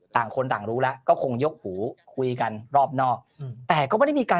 ต่างคนต่างรู้แล้วก็คงยกหูคุยกันรอบนอกอืมแต่ก็ไม่ได้มีการ